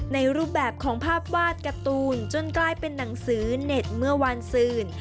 รูปแบบของภาพวาดการ์ตูนจนกลายเป็นหนังสือเน็ตเมื่อวานซื่น